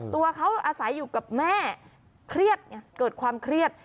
ตัวเขาอาศัยอยู่กับแม่เครียดเกิดความเครียด